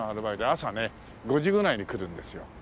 朝ね５時ぐらいに来るんですよ。